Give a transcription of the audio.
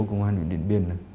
công an huyện điện biên